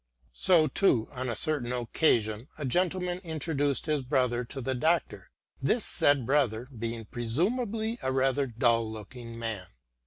So, too, on a certain occasion a gentleman introduced his brother to the Doctor, this said brother being presumably a rather dull looking man.